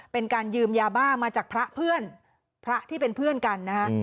เป็นการยืมยาบ้ามาจากพระเพื่อนพระที่เป็นเพื่อนกันนะคะ